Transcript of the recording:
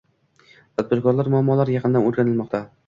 Tadbirkorlar muammolari yaqindan o‘rganilmoqdi